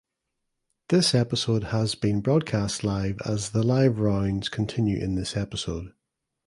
This episode has been broadcast live as the live rounds continue in this episode.